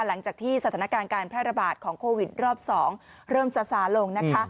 หลังจากที่สถานการณ์การแพร่ระบาดของโควิดรอบ๒เริ่มซาลงนะคะ